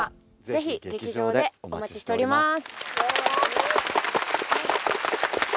ぜひ劇場でお待ちしております